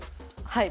はい。